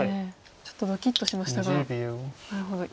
ちょっとドキッとしましたがなるほど。